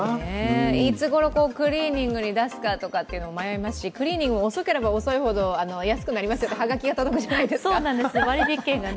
いつごろ、クリーニングに出すかも迷いますしクリーニングも遅ければ遅いほど、安くなりますよとはがきが届くじゃないですか。